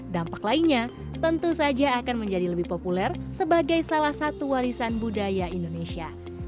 dampak lainnya tentu saja akan menjadi lebih populer sebagai salah satu warisan budaya indonesia